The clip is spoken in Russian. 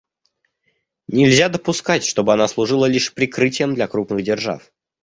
Нельзя допускать, чтобы она служила лишь прикрытием для крупных держав.